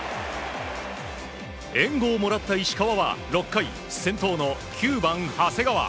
援護をもらった石川は６回先頭の９番、長谷川。